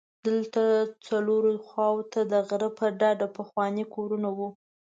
دلته څلورو خواوو ته د غره په ډډه پخواني کورونه وو.